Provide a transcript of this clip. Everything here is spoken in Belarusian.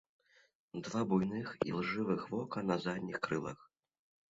Два буйных ілжывых вока на задніх крылах.